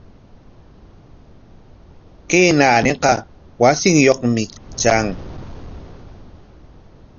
Kay naaniqa wasinyaqmi tran.